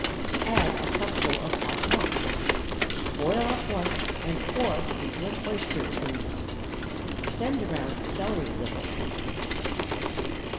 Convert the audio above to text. Add a cupful of hot milk. Boil up once and pour into an oyster tureen. Send around celery with it.